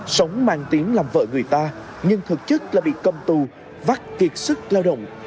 sống mang tiếng làm vợ người ta nhưng thực chất là bị cầm tù vắt kiệt sức lao động